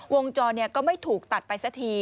วงจรก็ไม่ถูกตัดไปสักที